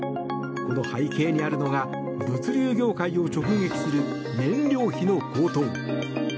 この背景にあるのが物流業界を直撃する燃料費の高騰。